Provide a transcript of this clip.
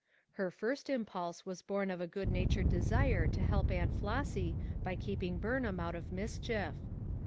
Her first impulse was born of a good natured desire to help Aunt Flossy by keeping Burn ham out of mischief.